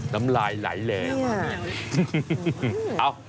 น้ำลายไหลแล้ว